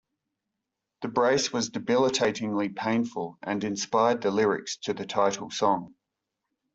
The brace was debilitatingly painful and inspired the lyrics to the title song.